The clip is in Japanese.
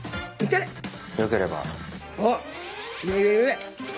よければ。